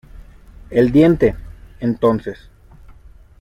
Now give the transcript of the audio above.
el diente. entonces,